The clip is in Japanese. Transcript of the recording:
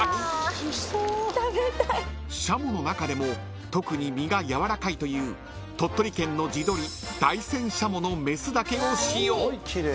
［シャモの中でも特に身がやわらかいという鳥取県の地鶏大山軍鶏の雌だけを使用］